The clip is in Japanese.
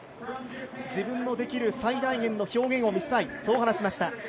自分のできる最大限の表現を見せたい、そう話しました。